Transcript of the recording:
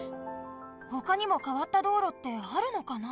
ほかにもかわった道路ってあるのかな？